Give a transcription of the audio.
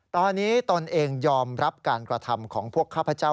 ตอนนี้ตนเองยอมรับการกระทำของพวกข้าพเจ้า